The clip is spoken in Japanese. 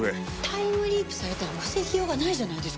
タイムリープされたら防ぎようがないじゃないですか。